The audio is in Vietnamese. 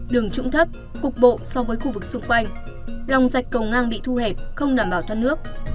đường trũng thấp cục bộ so với khu vực xung quanh lòng dạch cầu ngang bị thu hẹp không đảm bảo thoát nước